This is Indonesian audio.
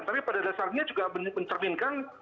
tapi pada dasarnya juga mencerminkan